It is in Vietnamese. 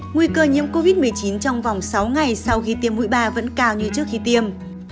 nguy cơ nhiễm covid một mươi chín trong vòng sáu ngày sau khi tiêm mũi ba vẫn cao như trước khi tiêm